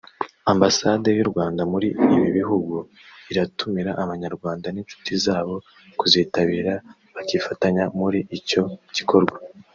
Ambasade y’u Rwanda muri ibi bihugu iratumira abanyarwanda n’inshuti zabo kuzitabira bakifatanya muri icyo gikorwa